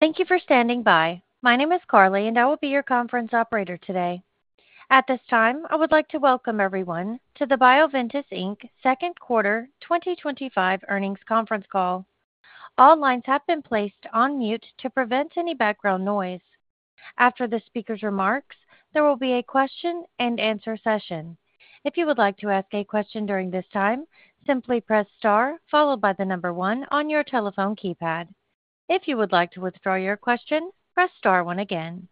Thank you for standing by. My name is Carly, and I will be your conference operator today. At this time, I would like to welcome everyone to the Bioventus Inc Second Quarter 2025 Earnings Conference Call. All lines have been placed on mute to prevent any background noise. After the speaker's remarks, there will be a question-and-answer session. If you would like to ask a question during this time, simply press star followed by the number one on your telephone keypad. If you would like to withdraw your question, press star one again.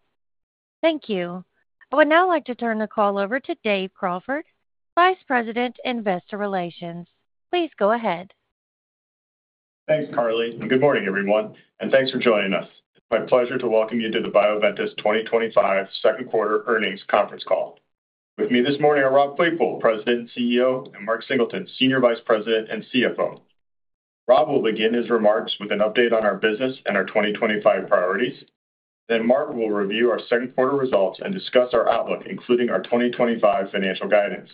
Thank you. I would now like to turn the call over to Dave Crawford, Vice President, Investor Relations. Please go ahead. Thanks, Carly. Good morning, everyone, and thanks for joining us. It's my pleasure to welcome you to the Bioventus 2025 Second Quarter Earnings Conference Call. With me this morning are Rob Claypoole, President, CEO, and Mark Singleton, Senior Vice President and CFO. Rob will begin his remarks with an update on our business and our 2025 priorities. Mark will review our second quarter results and discuss our outlook, including our 2025 financial guidance.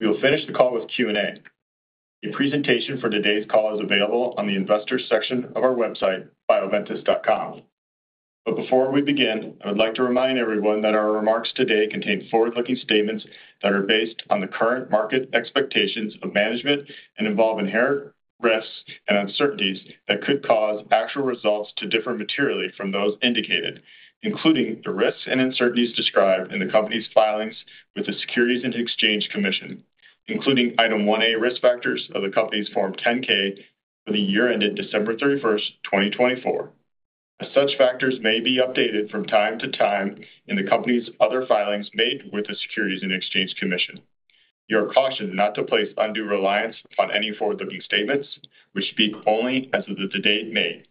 We will finish the call with Q&A. The presentation for today's call is available on the Investors section of our website, bioventus.com. Before we begin, I would like to remind everyone that our remarks today contain forward-looking statements that are based on the current market expectations of management and involve inherent risks and uncertainties that could cause actual results to differ materially from those indicated, including the risks and uncertainties described in the company's filings with the Securities and Exchange Commission, including item 1A risk factors of the company's Form 10-K for the year ended December 31, 2024, as such factors may be updated from time to time in the company's other filings made with the Securities and Exchange Commission. You are cautioned not to place undue reliance on any forward-looking statements, which speak only as of the date made.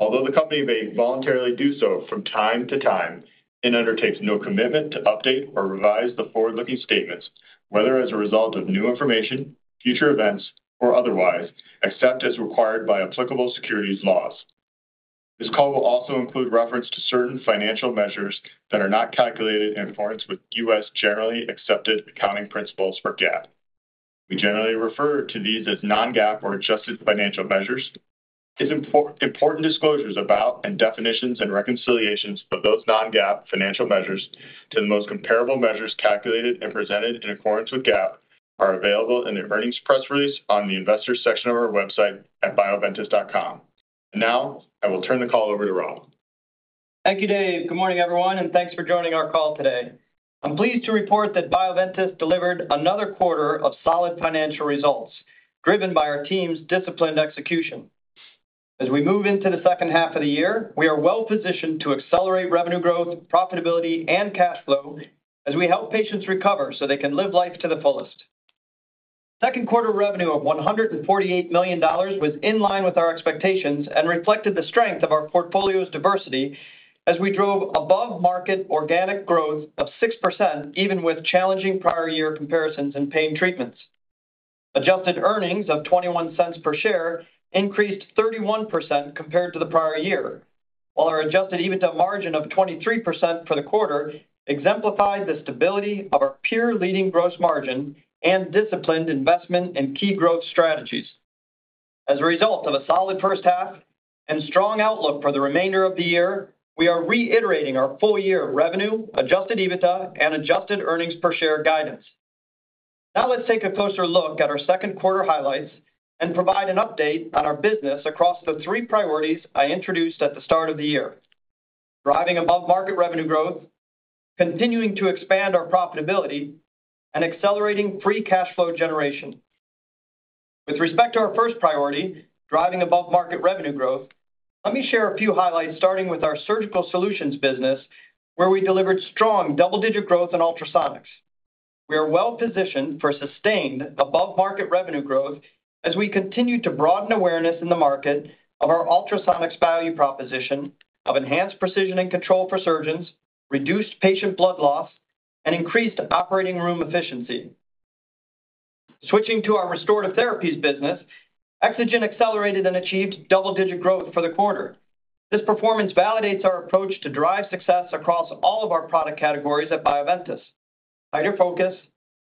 Although the company may voluntarily do so from time to time, it undertakes no commitment to update or revise the forward-looking statements, whether as a result of new information, future events, or otherwise, except as required by applicable securities laws. This call will also include reference to certain financial measures that are not calculated in accordance with U.S. generally accepted accounting principles or GAAP. We generally refer to these as non-GAAP or adjusted financial measures. Important disclosures about and definitions and reconciliations of those non-GAAP financial measures to the most comparable measures calculated and presented in accordance with GAAP are available in the earnings press release on the Investors section of our website at bioventus.com. Now I will turn the call over to Rob. Thank you, Dave. Good morning, everyone, and thanks for joining our call today. I'm pleased to report that Bioventus delivered another quarter of solid financial results, driven by our team's disciplined execution. As we move into the second half of the year, we are well positioned to accelerate revenue growth, profitability, and cash flow as we help patients recover so they can live life to the fullest. Second quarter revenue of $148 million was in line with our expectations and reflected the strength of our portfolio's diversity as we drove above-market organic growth of 6%, even with challenging prior year comparisons in Pain Treatments. Adjusted earnings of $0.21 per share increased 31% compared to the prior year, while our adjusted EBITDA margin of 23% for the quarter exemplifies the stability of our pure leading gross margin and disciplined investment and key growth strategies. As a result of a solid first half and strong outlook for the remainder of the year, we are reiterating our full year revenue, adjusted EBITDA, and adjusted earnings per share guidance. Now let's take a closer look at our second quarter highlights and provide an update on our business across the three priorities I introduced at the start of the year: driving above-market revenue growth, continuing to expand our profitability, and accelerating free cash flow generation. With respect to our first priority, driving above-market revenue growth, let me share a few highlights, starting with our Surgical Solutions business, where we delivered strong double-digit growth in ultrasonics. We are well positioned for sustained above-market revenue growth as we continue to broaden awareness in the market of our ultrasonics value proposition of enhanced precision and control for surgeons, reduced patient blood loss, and increased operating room efficiency. Switching to our Restorative Therapies business, EXOGEN accelerated and achieved double-digit growth for the quarter. This performance validates our approach to drive success across all of our product categories at Bioventus: higher focus,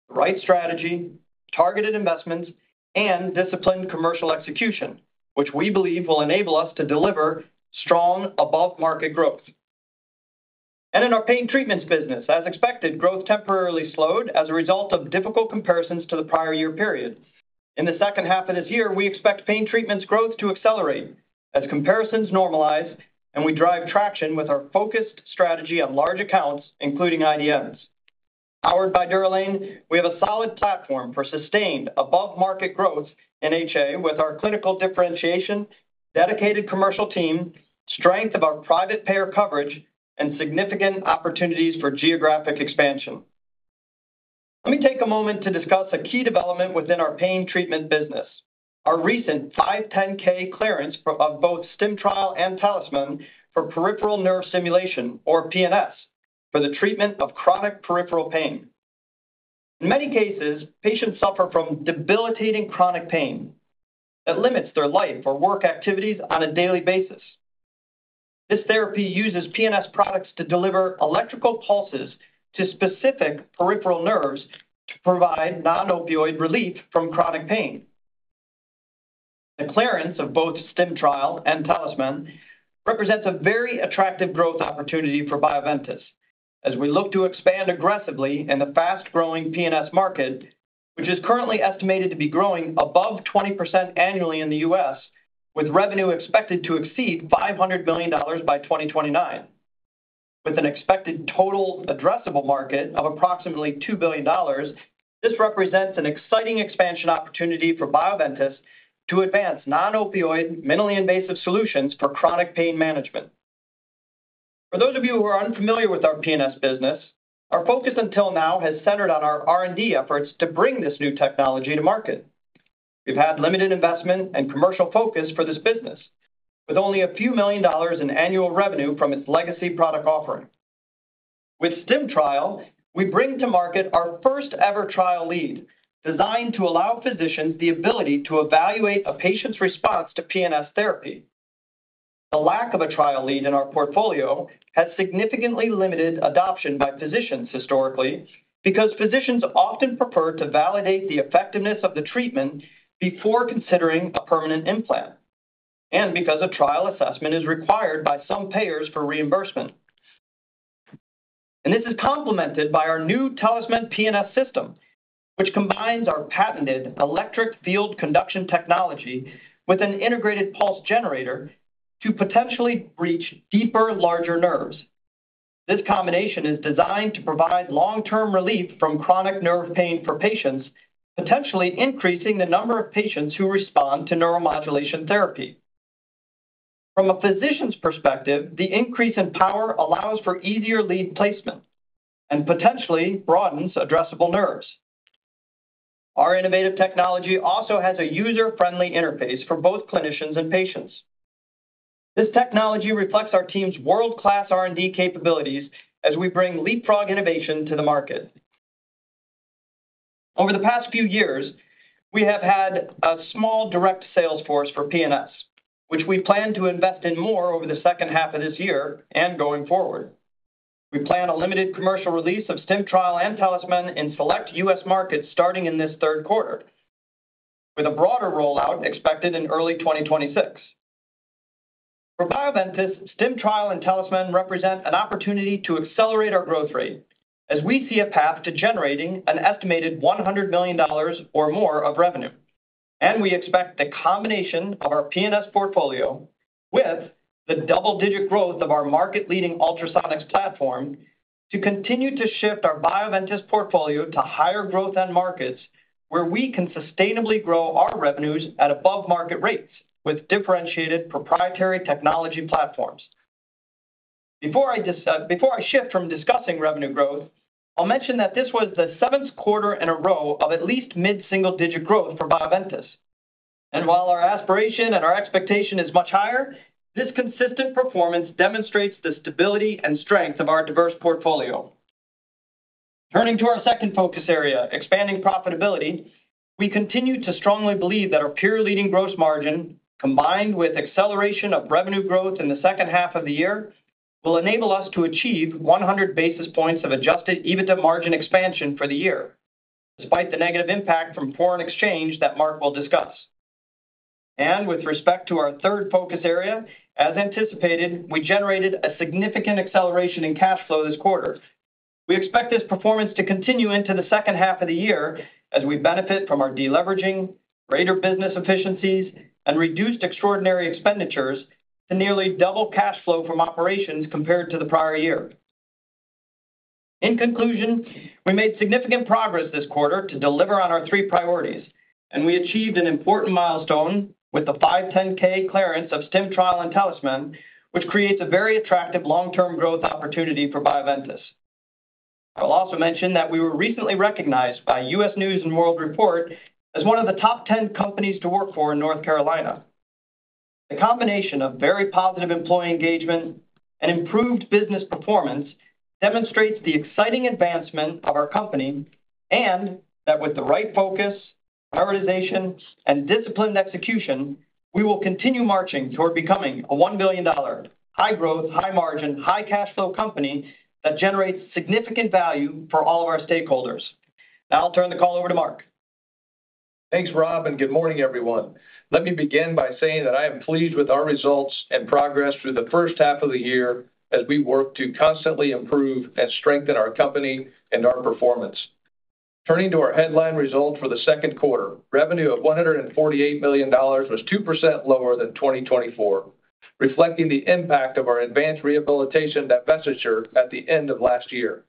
the right strategy, targeted investments, and disciplined commercial execution, which we believe will enable us to deliver strong above-market growth. In our Pain Treatments business, as expected, growth temporarily slowed as a result of difficult comparisons to the prior year period. In the second half of this year, we expect Pain Treatments growth to accelerate as comparisons normalize, and we drive traction with our focused strategy on large accounts, including IDNs. Powered by DUROLANE, we have a solid platform for sustained above-market growth in HA with our clinical differentiation, dedicated commercial team, strength of our private payer coverage, and significant opportunities for geographic expansion. Let me take a moment to discuss a key development within our Pain Treatment business: our recent FDA 510(k) clearance of both StimTrial and TalisMann for peripheral nerve stimulation, or PNS, for the treatment of chronic peripheral pain. In many cases, patients suffer from debilitating chronic pain that limits their life or work activities on a daily basis. This therapy uses PNS products to deliver electrical pulses to specific peripheral nerves to provide non-opioid relief from chronic pain. The clearance of both StimTrial and TalisMann represents a very attractive growth opportunity for Bioventus as we look to expand aggressively in the fast-growing PNS market, which is currently estimated to be growing above 20% annually in the U.S., with revenue expected to exceed $500 million by 2029. With an expected total addressable market of approximately $2 billion, this represents an exciting expansion opportunity for Bioventus to advance non-opioid minimally invasive solutions for chronic pain management. For those of you who are unfamiliar with our PNS business, our focus until now has centered on our R&D efforts to bring this new technology to market. We've had limited investment and commercial focus for this business, with only a few million dollars in annual revenue from its legacy product offering. With StimTrial, we bring to market our first-ever trial lead designed to allow physicians the ability to evaluate a patient's response to PNS therapy. The lack of a trial lead in our portfolio has significantly limited adoption by physicians historically because physicians often prefer to validate the effectiveness of the treatment before considering a permanent implant and because a trial assessment is required by some payers for reimbursement. This is complemented by our new TalisMann PNS system, which combines our patented electric field conduction technology with an integrated pulse generator to potentially reach deeper, larger nerves. This combination is designed to provide long-term relief from chronic nerve pain for patients, potentially increasing the number of patients who respond to neuromodulation therapy. From a physician's perspective, the increase in power allows for easier lead placement and potentially broadens addressable nerves. Our innovative technology also has a user-friendly interface for both clinicians and patients. This technology reflects our team's world-class R&D capabilities as we bring leapfrog innovation to the market. Over the past few years, we have had a small direct sales force for PNS, which we plan to invest in more over the second half of this year and going forward. We plan a limited commercial release of StimTrial and TalisMann in select U.S. markets starting in this third quarter, with a broader rollout expected in early 2026. For Bioventus, StimTrial and TalisMann represent an opportunity to accelerate our growth rate as we see a path to generating an estimated $100 million or more of revenue. We expect the combination of our PNS portfolio with the double-digit growth of our market-leading ultrasonics platform to continue to shift our Bioventus portfolio to higher growth and markets where we can sustainably grow our revenues at above-market rates with differentiated proprietary technology platforms. Before I shift from discussing revenue growth, I'll mention that this was the seventh quarter in a row of at least mid-single-digit growth for Bioventus. While our aspiration and our expectation is much higher, this consistent performance demonstrates the stability and strength of our diverse portfolio. Turning to our second focus area, expanding profitability, we continue to strongly believe that our pure leading gross margin, combined with acceleration of revenue growth in the second half of the year, will enable us to achieve 100 basis points of adjusted EBITDA margin expansion for the year, despite the negative impact from foreign exchange headwinds that Mark will discuss. With respect to our third focus area, as anticipated, we generated a significant acceleration in cash flow this quarter. We expect this performance to continue into the second half of the year as we benefit from our deleveraging, greater business efficiencies, and reduced extraordinary expenditures to nearly double cash flow from operations compared to the prior year. In conclusion, we made significant progress this quarter to deliver on our three priorities, and we achieved an important milestone with the FDA 510(k) clearance of StimTrial and TalisMann, which creates a very attractive long-term growth opportunity for Bioventus. I will also mention that we were recently recognized by U.S. News and World Report as one of the top 10 companies to work for in North Carolina. The combination of very positive employee engagement and improved business performance demonstrates the exciting advancement of our company and that with the right focus, prioritization, and disciplined execution, we will continue marching toward becoming a $1 billion, high growth, high margin, high cash flow company that generates significant value for all of our stakeholders. Now I'll turn the call over to Mark. Thanks, Rob, and good morning, everyone. Let me begin by saying that I am pleased with our results and progress through the first half of the year as we work to constantly improve and strengthen our company and our performance. Turning to our headline result for the second quarter, revenue of $148 million was 2% lower than 2023, reflecting the impact of our advanced rehabilitation divestiture at the end of last year.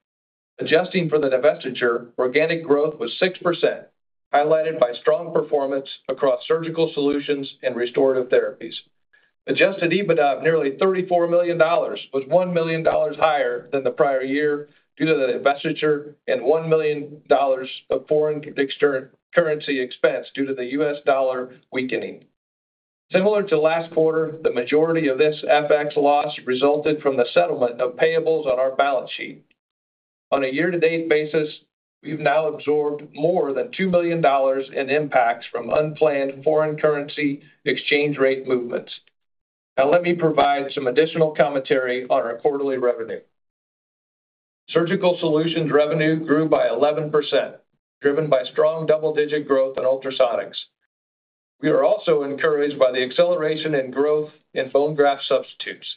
Adjusting for the divestiture, organic growth was 6%, highlighted by strong performance across Surgical Solutions and Restorative Therapies. Adjusted EBITDA of nearly $34 million was $1 million higher than the prior year due to the divestiture and $1 million of foreign currency expense due to the U.S. dollar weakening. Similar to last quarter, the majority of this FX loss resulted from the settlement of payables on our balance sheet. On a year-to-date basis, we've now absorbed more than $2 million in impacts from unplanned foreign currency exchange rate movements. Now let me provide some additional commentary on our quarterly revenue. Surgical Solutions revenue grew by 11%, driven by strong double-digit growth in ultrasonics. We are also encouraged by the acceleration in growth in bone graft substitutes,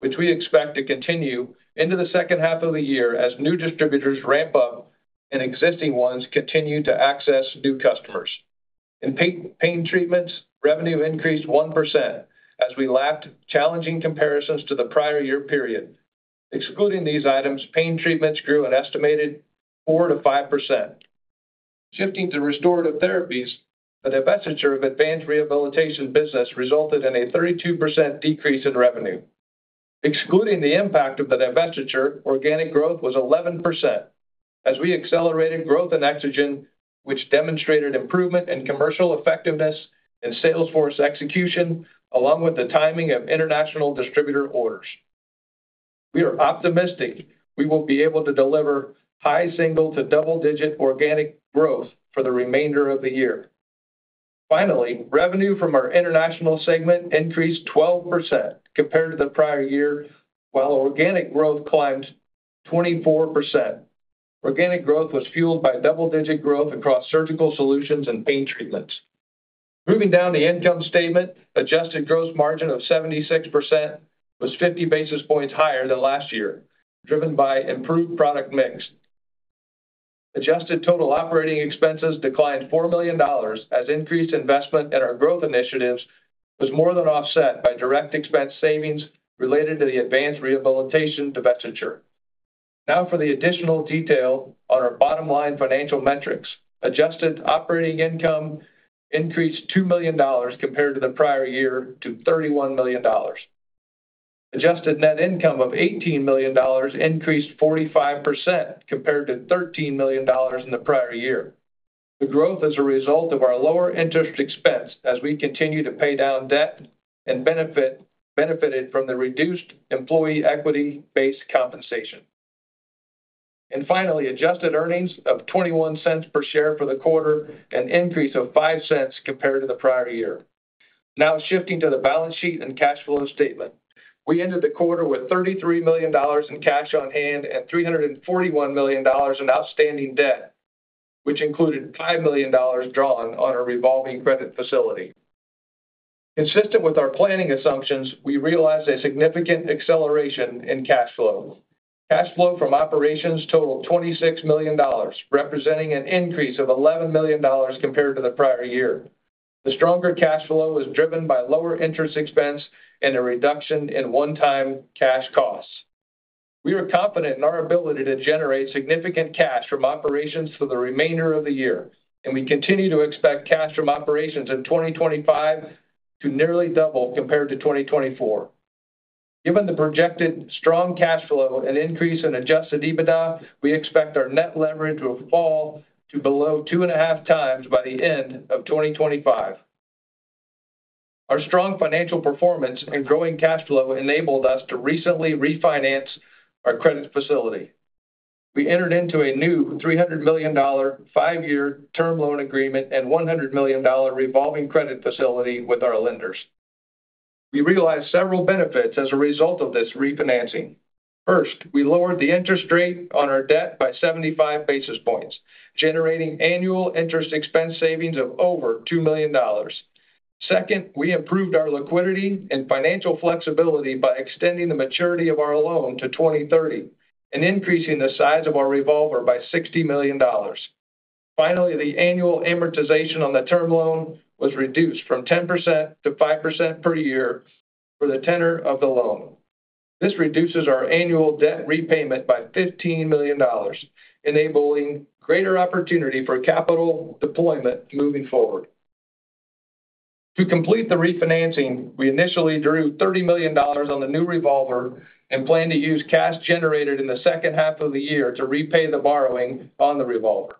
which we expect to continue into the second half of the year as new distributors ramp up and existing ones continue to access new customers. In Pain Treatments, revenue increased 1% as we lapped challenging comparisons to the prior year period. Excluding these items, Pain Treatments grew an estimated 4%-5%. Shifting to Restorative Therapies, the divestiture of advanced rehabilitation business resulted in a 32% decrease in revenue. Excluding the impact of the divestiture, organic growth was 11% as we accelerated growth in EXOGEN, which demonstrated improvement in commercial effectiveness and sales force execution, along with the timing of international distributor orders. We are optimistic we will be able to deliver high single to double-digit organic growth for the remainder of the year. Finally, revenue from our international segment increased 12% compared to the prior year, while organic growth climbed 24%. Organic growth was fueled by double-digit growth across Surgical Solutions and Pain Treatments. Moving down the income statement, adjusted gross margin of 76% was 50 basis points higher than last year, driven by improved product mix. Adjusted total operating expenses declined $4 million as increased investment in our growth initiatives was more than offset by direct expense savings related to the advanced rehabilitation divestiture. Now for the additional detail on our bottom line financial metrics. Adjusted operating income increased $2 million compared to the prior year to $31 million. Adjusted net income of $18 million increased 45% compared to $13 million in the prior year. The growth is a result of our lower interest expense as we continue to pay down debt and benefit from the reduced employee equity-based compensation. Finally, adjusted earnings of $0.21 per share for the quarter, an increase of $0.05 compared to the prior year. Now shifting to the balance sheet and cash flow statement, we ended the quarter with $33 million in cash on hand and $341 million in outstanding debt, which included $5 million drawn on a revolving credit facility. Consistent with our planning assumptions, we realized a significant acceleration in cash flow. Cash flow from operations totaled $26 million, representing an increase of $11 million compared to the prior year. The stronger cash flow is driven by lower interest expense and a reduction in one-time cash costs. We are confident in our ability to generate significant cash from operations for the remainder of the year, and we continue to expect cash from operations in 2025 to nearly double compared to 2024. Given the projected strong cash flow and increase in adjusted EBITDA, we expect our net leverage will fall to below 2.5x by the end of 2025. Our strong financial performance and growing cash flow enabled us to recently refinance our credit facility. We entered into a new $300 million five-year term loan agreement and $100 million revolving credit facility with our lenders. We realized several benefits as a result of this refinancing. First, we lowered the interest rate on our debt by 75 basis points, generating annual interest expense savings of over $2 million. Second, we improved our liquidity and financial flexibility by extending the maturity of our loan to 2030 and increasing the size of our revolver by $60 million. Finally, the annual amortization on the term loan was reduced from 10% to 5% per year for the tenor of the loan. This reduces our annual debt repayment by $15 million, enabling greater opportunity for capital deployment moving forward. To complete the refinancing, we initially drew $30 million on the new revolver and plan to use cash generated in the second half of the year to repay the borrowing on the revolver.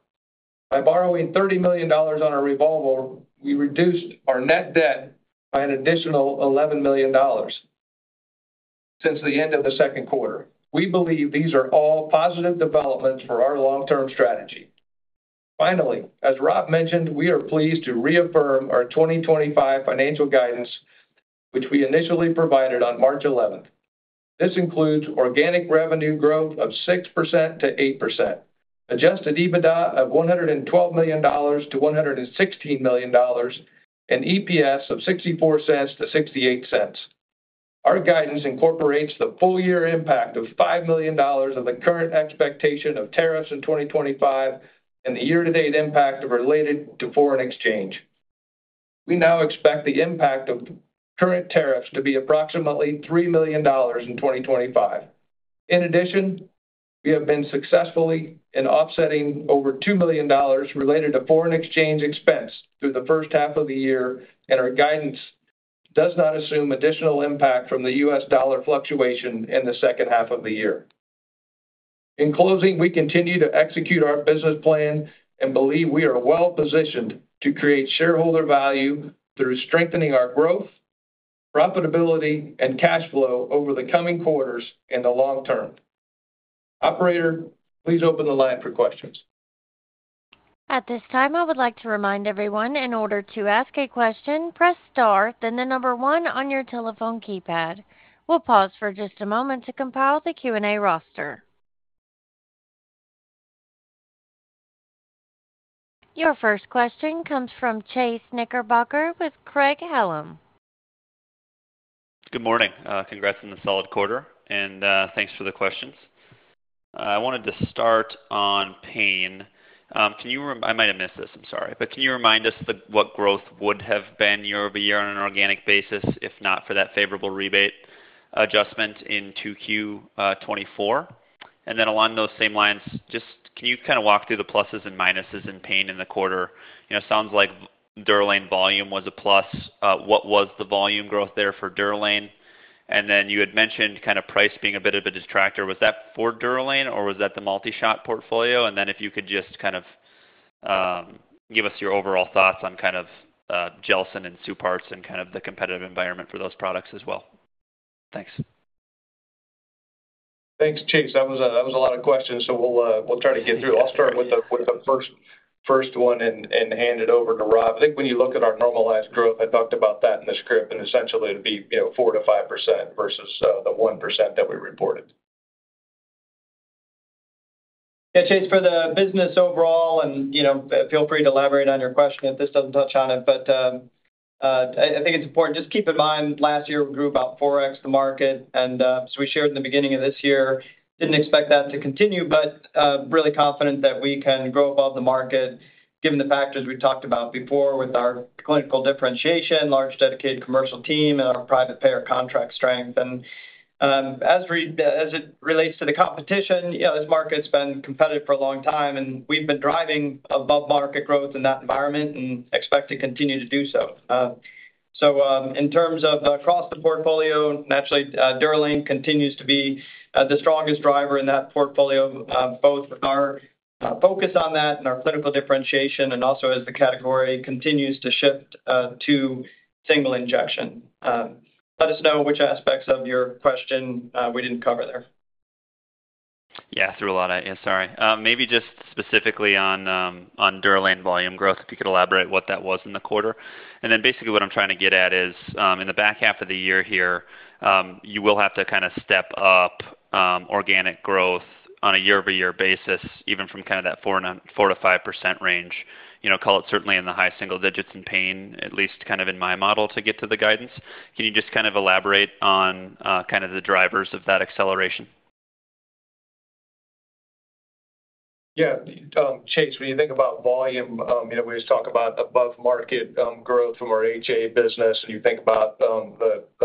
By borrowing $30 million on a revolver, we reduced our net debt by an additional $11 million since the end of the second quarter. We believe these are all positive developments for our long-term strategy. Finally, as Rob mentioned, we are pleased to reaffirm our 2025 financial guidance, which we initially provided on March 11. This includes organic revenue growth of 6%-8%, adjusted EBITDA of $112 million-$116 million, and EPS of $0.64-$0.68. Our guidance incorporates the full year impact of $5 million of the current expectation of tariffs in 2025 and the year-to-date impact related to foreign exchange. We now expect the impact of current tariffs to be approximately $3 million in 2025. In addition, we have been successful in offsetting over $2 million related to foreign exchange expense through the first half of the year, and our guidance does not assume additional impact from the U.S. dollar fluctuation in the second half of the year. In closing, we continue to execute our business plan and believe we are well-positioned to create shareholder value through strengthening our growth, profitability, and cash flow over the coming quarters and the long term. Operator, please open the line for questions. At this time, I would like to remind everyone, in order to ask a question, press star, then the number one on your telephone keypad. We'll pause for just a moment to compile the Q&A roster. Your first question comes from Chase Knickerbocker with Craig-Hallum. Good morning. Congrats on the solid quarter and thanks for the questions. I wanted to start on pain. Can you remember, I might have missed this, I'm sorry, but can you remind us what growth would have been year over year on an organic basis, if not for that favorable rebate adjustment in Q2 2024? Along those same lines, can you kind of walk through the pluses and minuses in pain in the quarter? It sounds like DUROLANE volume was a plus. What was the volume growth there for DUROLANE? You had mentioned kind of price being a bit of a distractor. Was that for DUROLANE or was that the multi-shot portfolio? If you could just give us your overall thoughts on GELSYN and SUPARTZ and the competitive environment for those products as well. Thanks. Thanks, Chase. That was a lot of questions, so we'll try to get through. I'll start with the first one and hand it over to Rob. I think when you look at our normalized growth, I talked about that in the script, and essentially it'd be 4%-5% versus the 1% that we reported. Yeah, Chase, for the business overall, feel free to elaborate on your question if this doesn't touch on it, but I think it's important to just keep in mind last year we grew about 4x the market, and as we shared in the beginning of this year, didn't expect that to continue, but really confident that we can grow above the market given the factors we've talked about before with our clinical differentiation, large dedicated commercial team, and our private payer contract strength. As it relates to the competition, this market's been competitive for a long time, and we've been driving above-market growth in that environment and expect to continue to do so. In terms of across the portfolio, naturally, DUROLANE continues to be the strongest driver in that portfolio, both with our focus on that and our clinical differentiation, and also as the category continues to shift to single injection. Let us know which aspects of your question we didn't cover there. Yeah, I threw a lot at you, sorry. Maybe just specifically on DUROLANE volume growth, if you could elaborate what that was in the quarter. Basically, what I'm trying to get at is in the back half of the year here, you will have to kind of step up organic growth on a year-over-year basis, even from kind of that 4%-5% range. You know, call it certainly in the high single digits in pain, at least kind of in my model to get to the guidance. Can you just kind of elaborate on kind of the drivers of that acceleration? Yeah, Chase, when you think about volume, we just talk about above-market growth from our HA business. You think about the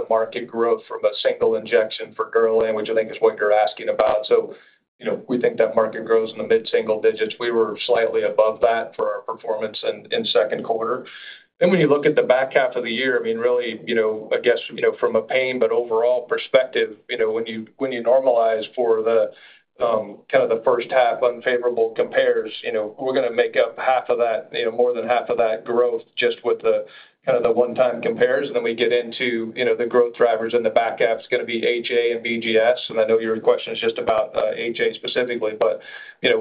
market growth from a single injection for DUROLANE, which I think is what you're asking about. We think that market grows in the mid-single digits. We were slightly above that for our performance in the second quarter. When you look at the back half of the year, really, from a pain, but overall perspective, when you normalize for the kind of the first half unfavorable compares, we're going to make up half of that, more than half of that growth just with the kind of the one-time compares. We get into the growth drivers in the back half, which is going to be HA and BGS. I know your question is just about HA specifically, but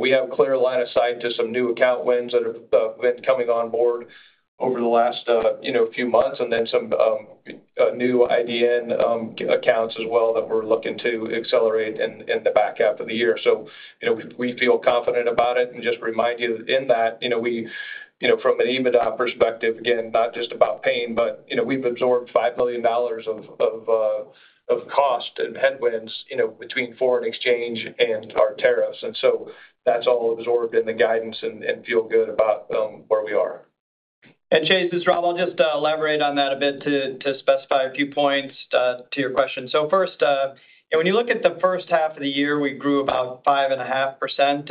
we have a clear line of sight to some new account wins that have been coming on board over the last few months, and then some new IDN accounts as well that we're looking to accelerate in the back half of the year. We feel confident about it. Just remind you that in that, from an EBITDA perspective, again, not just about pain, we've absorbed $5 million of cost and headwinds between foreign exchange and our tariffs. That's all absorbed in the guidance and feel good about where we are. Chase, this is Rob. I'll just elaborate on that a bit to specify a few points to your question. First, when you look at the first half of the year, we grew about 5.5%.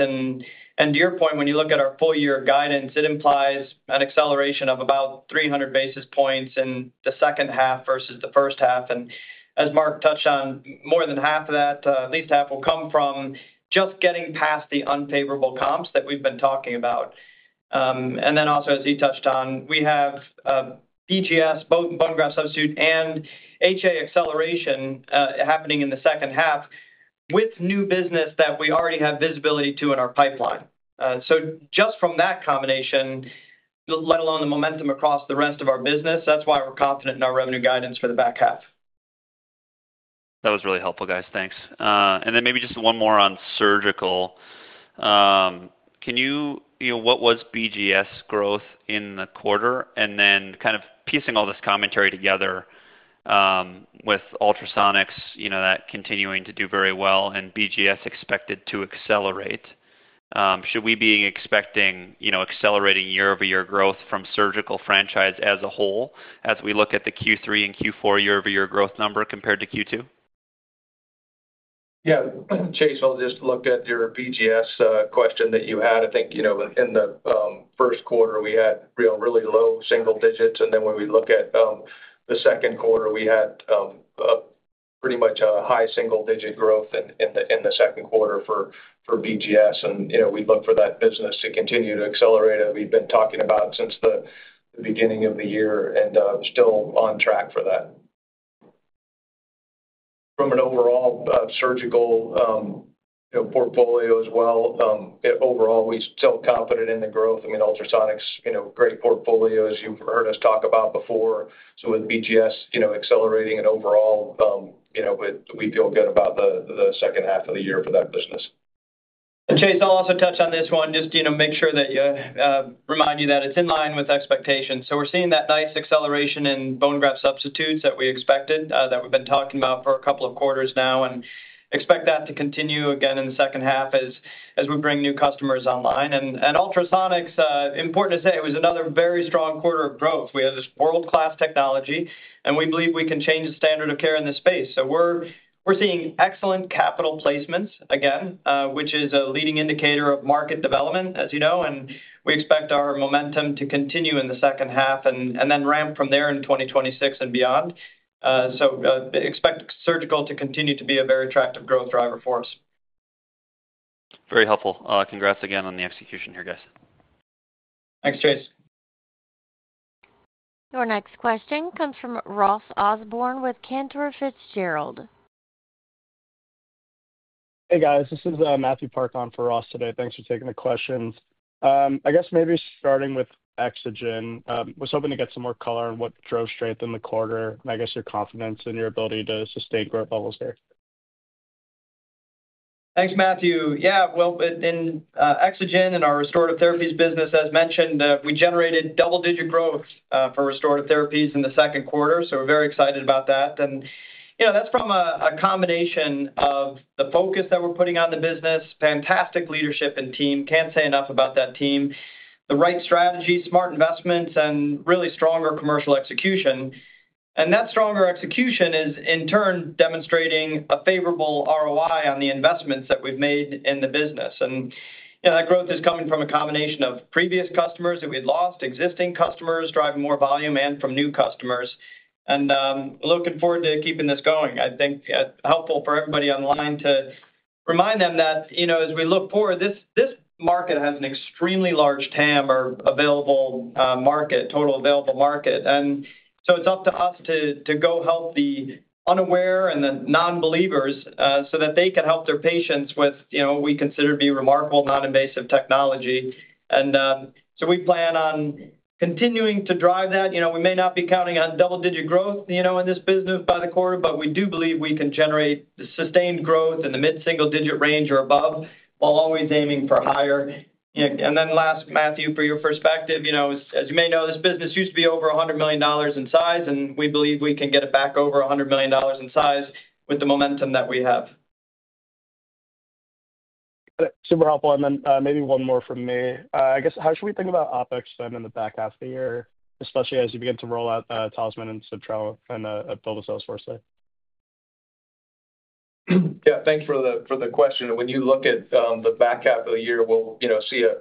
To your point, when you look at our full year guidance, it implies an acceleration of about 300 basis points in the second half versus the first half. As Mark touched on, more than half of that, at least half, will come from just getting past the unfavorable comps that we've been talking about. Also, as you touched on, we have BGS, both bone graft substitute, and HA acceleration happening in the second half with new business that we already have visibility to in our pipeline. Just from that combination, let alone the momentum across the rest of our business, that's why we're confident in our revenue guidance for the back half. That was really helpful, guys. Thanks. Maybe just one more on Surgical Solutions. Can you, you know, what was BGS growth in the quarter? Kind of piecing all this commentary together with ultrasonics, you know, that continuing to do very well and BGS expected to accelerate, should we be expecting accelerating year-over-year growth from the surgical franchise as a whole as we look at the Q3 and Q4 year-over-year growth number compared to Q2? Yeah, Chase, I'll just look at your BGS question that you had. I think, you know, in the first quarter, we had really low single digits. When we look at the second quarter, we had pretty much a high single digit growth in the second quarter for BGS. We'd look for that business to continue to accelerate. We've been talking about that since the beginning of the year and still on track for that. From an overall surgical portfolio as well, overall, we're still confident in the growth. I mean, ultrasonics, you know, great portfolio as you've heard us talk about before. With BGS accelerating overall, you know, we feel good about the second half of the year for that business. Chase, I'll also touch on this one, just to make sure that I remind you that it's in line with expectations. We're seeing that nice acceleration in bone graft substitutes that we expected, that we've been talking about for a couple of quarters now, and expect that to continue again in the second half as we bring new customers online. Ultrasonics, important to say, it was another very strong quarter of growth. We have this world-class technology, and we believe we can change the standard of care in this space. We're seeing excellent capital placements again, which is a leading indicator of market development, as you know, and we expect our momentum to continue in the second half and then ramp from there in 2026 and beyond. Expect surgical to continue to be a very attractive growth driver for us. Very helpful. Congrats again on the execution here, guys. Thanks, Chase. Your next question comes from Ross Osborn with Cantor Fitzgerald. Hey guys, this is Matthew Park on for Ross today. Thanks for taking the questions. I guess maybe starting with EXOGEN, I was hoping to get some more color on what drove strength in the quarter, and I guess your confidence in your ability to sustain growth levels here. Thanks, Matthew. In EXOGEN and our Restorative Therapies business, as mentioned, we generated double-digit growth for Restorative Therapies in the second quarter, so we're very excited about that. That's from a combination of the focus that we're putting on the business, fantastic leadership and team, can't say enough about that team, the right strategy, smart investments, and really stronger commercial execution. That stronger execution is in turn demonstrating a favorable ROI on the investments that we've made in the business. That growth is coming from a combination of previous customers that we'd lost, existing customers driving more volume, and from new customers. Looking forward to keeping this going. I think it's helpful for everybody online to remind them that, as we look forward, this market has an extremely large TAM, or total available market. It's up to us to go help the unaware and the non-believers so that they can help their patients with what we consider to be remarkable non-invasive technology. We plan on continuing to drive that. We may not be counting on double-digit growth in this business by the quarter, but we do believe we can generate sustained growth in the mid-single digit range or above, while always aiming for higher. Last, Matthew, for your perspective, as you may know, this business used to be over $100 million in size, and we believe we can get it back over $100 million in size with the momentum that we have. Got it. Super helpful. Maybe one more from me. I guess, how should we think about OpEx spend in the back half of the year, especially as you begin to roll out TalisMann and build a sales force there? Yeah, thanks for the question. When you look at the back half of the year, we'll see a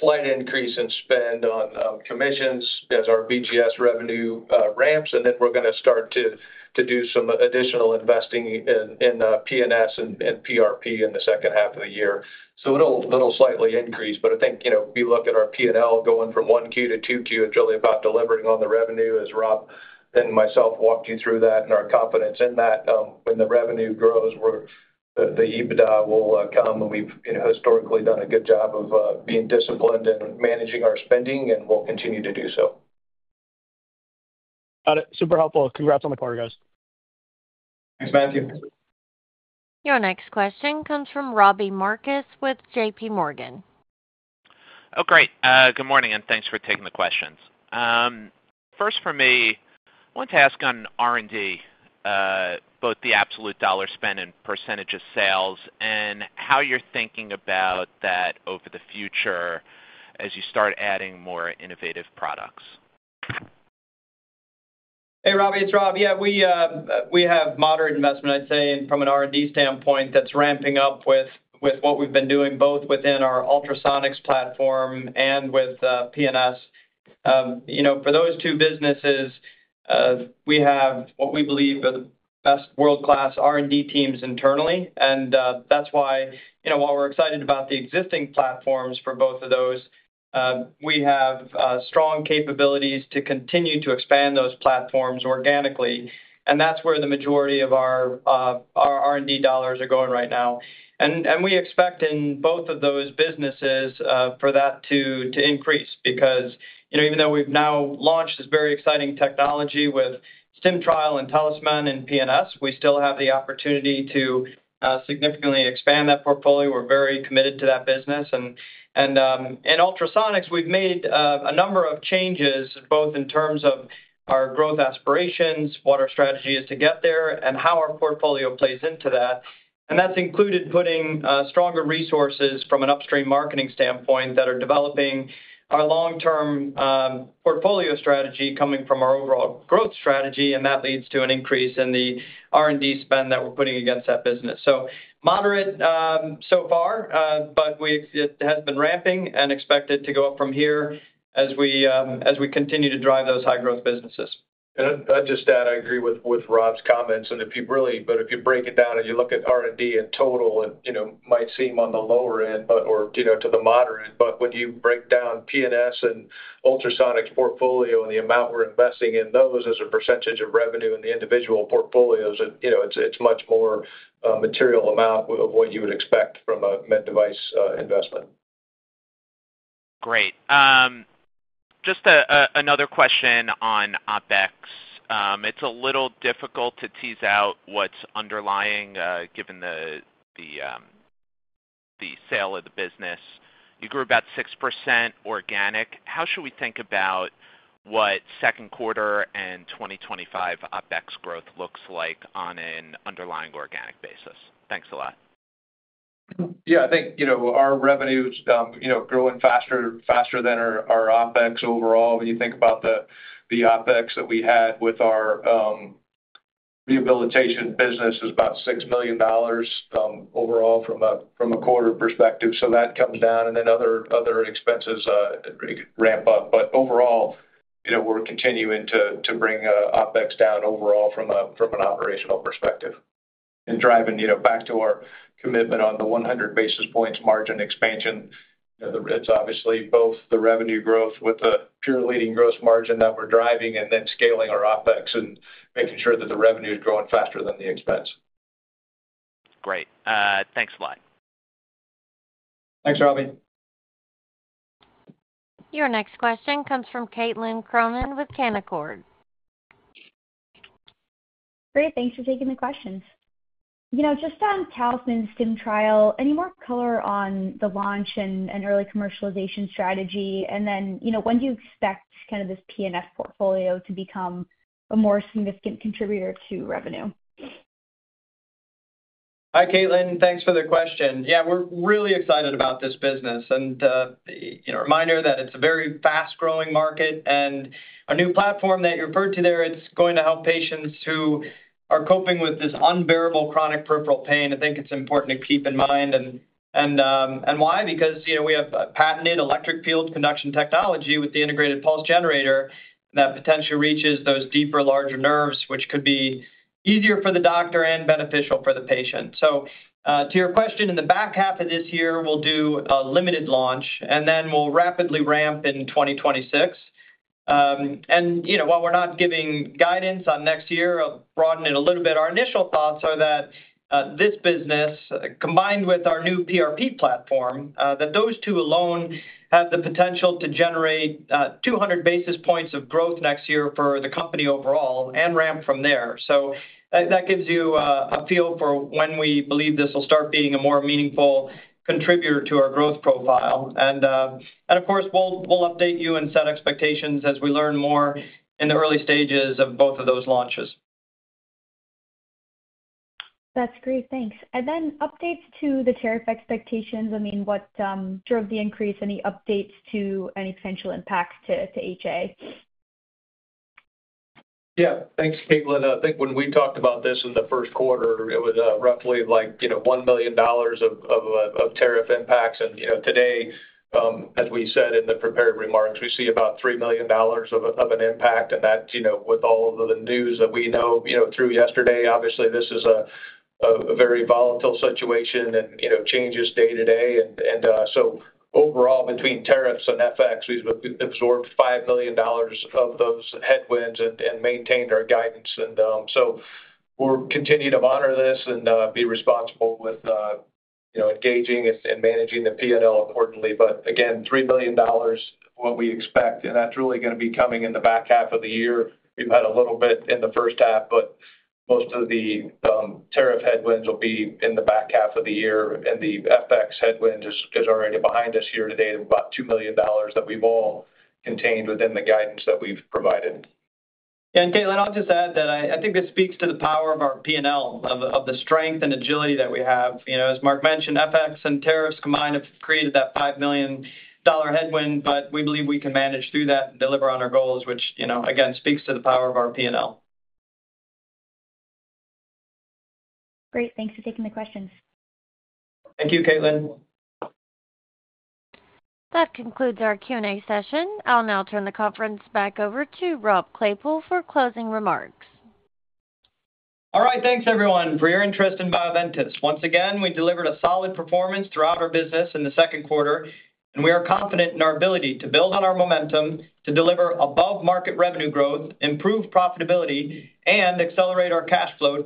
slight increase in spend on commissions as our BGS revenue ramps, and then we're going to start to do some additional investing in PNS and PRP in the second half of the year. It'll slightly increase, but I think, if you look at our P&L going from 1Q to 2Q, it's really about delivering on the revenue as Rob and myself walked you through that and our confidence in that. When the revenue grows, the EBITDA will come, and we've historically done a good job of being disciplined in managing our spending, and we'll continue to do so. Got it. Super helpful. Congrats on the quarter, guys. Thanks, Matthew. Your next question comes from Robbie Marcus with JPMorgan. Oh, great. Good morning, and thanks for taking the questions. First for me, I want to ask on R&D, both the absolute dollar spend and percentage of sales, and how you're thinking about that over the future as you start adding more innovative products. Hey Robbie, it's Rob. Yeah, we have moderate investment, I'd say, and from an R&D standpoint, that's ramping up with what we've been doing both within our ultrasonics platform and with PNS. For those two businesses, we have what we believe are the best world-class R&D teams internally, and that's why, while we're excited about the existing platforms for both of those, we have strong capabilities to continue to expand those platforms organically. That's where the majority of our R&D dollars are going right now. We expect in both of those businesses for that to increase because, even though we've now launched this very exciting technology with StimTrial and TalisMann and PNS, we still have the opportunity to significantly expand that portfolio. We're very committed to that business. In ultrasonics, we've made a number of changes both in terms of our growth aspirations, what our strategy is to get there, and how our portfolio plays into that. That's included putting stronger resources from an upstream marketing standpoint that are developing our long-term portfolio strategy coming from our overall growth strategy, and that leads to an increase in the R&D spend that we're putting against that business. Moderate so far, but it has been ramping and expected to go up from here as we continue to drive those high-growth businesses. I agree with Rob's comments. If you break it down as you look at R&D in total, it might seem on the lower end or to the moderate, but when you break down PNS and ultrasonics portfolio and the amount we're investing in those as a percentage of revenue in the individual portfolios, it's much more a material amount of what you would expect from a med device investment. Great. Just another question on OpEx. It's a little difficult to tease out what's underlying given the sale of the business. You grew about 6% organic. How should we think about what second quarter and 2025 OpEx growth looks like on an underlying organic basis? Thanks a lot. I think our revenues are growing faster than our OpEx overall. When you think about the OpEx that we had with our rehabilitation business, it was about $6 million overall from a quarter perspective. That comes down, and then other expenses ramp up. Overall, we're continuing to bring OpEx down from an operational perspective and driving back to our commitment on the 100 basis points margin expansion. It's obviously both the revenue growth with the pure leading gross margin that we're driving and then scaling our OpEx and making sure that the revenue is growing faster than the expense. Great, thanks a lot. Thanks, Robbie. Your next question comes from Caitlin Cronin with Canaccord. Great, thanks for taking the questions. Just on TalisMann and StimTrial, any more color on the launch and early commercialization strategy? When do you expect kind of this PNS portfolio to become a more significant contributor to revenue? Hi, Caitlin. Thanks for the question. Yeah, we're really excited about this business. A reminder that it's a very fast-growing market and a new platform that you referred to there, it's going to help patients who are coping with this unbearable chronic peripheral pain. I think it's important to keep in mind. Why? Because we have a patented electric field conduction technology with the integrated pulse generator that potentially reaches those deeper, larger nerves, which could be easier for the doctor and beneficial for the patient. To your question, in the back half of this year, we'll do a limited launch, and then we'll rapidly ramp in 2026. While we're not giving guidance on next year, I'll broaden it a little bit. Our initial thoughts are that this business, combined with our new PRP platform, that those two alone have the potential to generate 200 basis points of growth next year for the company overall and ramp from there. That gives you a feel for when we believe this will start being a more meaningful contributor to our growth profile. Of course, we'll update you and set expectations as we learn more in the early stages of both of those launches. That's great, thanks. Are there updates to the tariff expectations? What sort of increase, any updates to any potential impact to HA? Yeah, thanks, Caitlin. I think when we talked about this in the first quarter, it was roughly, like, you know, $1 million of tariff impacts. You know, today, as we said in the prepared remarks, we see about $3 million of an impact. That's, you know, with all of the news that we know through yesterday. Obviously, this is a very volatile situation and changes day to day. Overall, between tariffs and FX, we've absorbed $5 million of those headwinds and maintained our guidance. We'll continue to monitor this and be responsible with engaging and managing the P&L accordingly. Again, $3 million is what we expect, and that's really going to be coming in the back half of the year. We've had a little bit in the first half, but most of the tariff headwind will be in the back half of the year. The FX headwind is already behind us here today to about $2 million that we've all contained within the guidance that we've provided. Yeah, and Caitlin, I'll just add that I think it speaks to the power of our P&L, of the strength and agility that we have. You know, as Mark mentioned, FX and tariffs combined have created that $5 million headwind, but we believe we can manage through that and deliver on our goals, which, you know, again, speaks to the power of our P&L. Great, thanks for taking the questions. Thank you, Caitlin. That concludes our Q&A session. I'll now turn the conference back over to Rob Claypoole for closing remarks. All right, thanks everyone for your interest in Bioventus. Once again, we delivered a solid performance throughout our business in the second quarter, and we are confident in our ability to build on our momentum to deliver above-market revenue growth, improve profitability, and accelerate our cash flow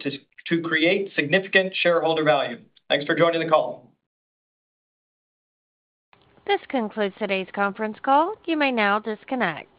to create significant shareholder value. Thanks for joining the call. This concludes today's conference call. You may now disconnect.